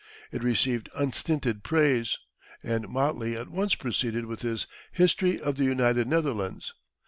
It received unstinted praise, and Motley at once proceeded with his "History of the United Netherlands."